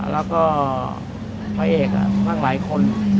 แล้วก็พระเห็กทั้งหลายคน